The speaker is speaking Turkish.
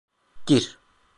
Gir.